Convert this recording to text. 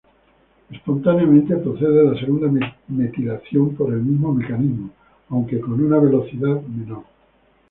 Espontáneamente procede la segunda metilación por el mismo mecanismo, aunque con una velocidad menor.